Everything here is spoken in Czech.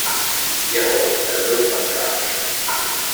Jeho otcem byl statkář.